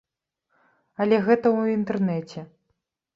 Але гэта ў інтэрнэце.